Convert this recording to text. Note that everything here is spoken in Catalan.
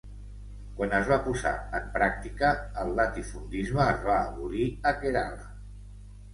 Quan es va posar en pràctica, el latifundisme es va abolir a Kerala.